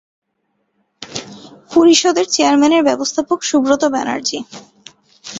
পরিষদের চেয়ারম্যানের ব্যবস্থাপক সুব্রত ব্যানার্জি।